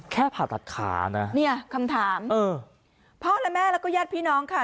ผ่าตัดขานะเนี่ยคำถามเออพ่อและแม่แล้วก็ญาติพี่น้องค่ะ